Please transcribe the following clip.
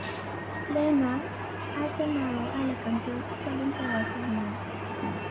Lennon ha llamado a la canción, "solo un pedazo de nada".